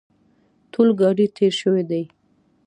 ټول ګاډي تېر شوي دي.